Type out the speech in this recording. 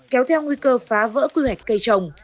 kéo theo nguy cơ phá vỡ quy hoạch cây trồng